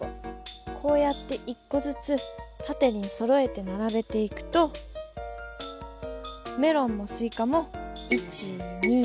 こうやって１こずつたてにそろえてならべていくとメロンもスイカも１２３こ。